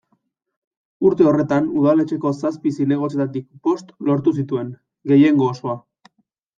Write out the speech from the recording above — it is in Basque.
Urte horretan Udaletxeko zazpi zinegotzietatik bost lortu zituen, gehiengo osoa.